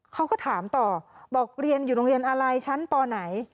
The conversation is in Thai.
เขาก็ถามต่อบอกเรียนอยู่โรงเรียนอะไรชั้นปไหน